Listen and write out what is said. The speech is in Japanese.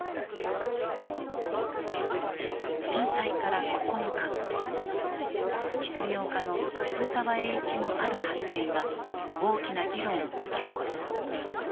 震災から９日後実業家の渋沢栄一のある発言が大きな議論を巻き起こす。